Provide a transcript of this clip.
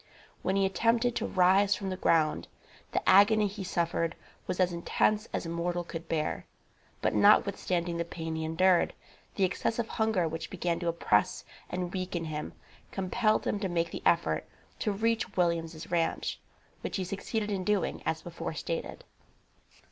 When he attempted to rise from the ground, the agony he suffered was as intense as mortal could bear; but notwithstanding the pain he endured, the excessive hunger which began to oppress and weaken him, compelled him to make the effort to reach Williams' ranche, which he succeeded in doing, as before stated.